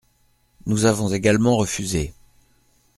Nous avons également refusé.